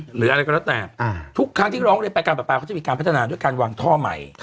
หรืออะไรก็แล้วแต่ทุกครั้งที่ร้องเรียนไปการประปาเขาจะมีการพัฒนาด้วยการวางท่อใหม่